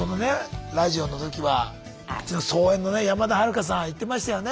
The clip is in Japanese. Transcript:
ラジオの時はうちの操演のね山田はるかさん行ってましたよね。